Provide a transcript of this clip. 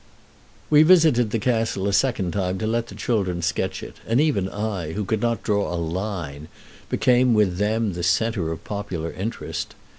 We visited the castle a second time, to let the children sketch it; and even I, who could not draw a line, became with them the centre of popular interest.